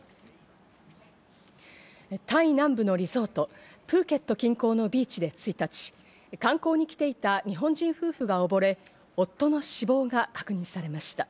タイ南部のリゾート、プーケット近郊のビーチで１日、観光に来ていた日本人夫婦が溺れ、夫の死亡が確認されました。